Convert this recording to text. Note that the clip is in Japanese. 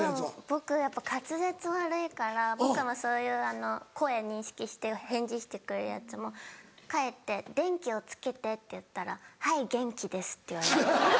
僕はやっぱ滑舌悪いから僕のそういう声認識して返事してくれるやつも帰って「電気をつけて」って言ったら「はい元気です」って言われます。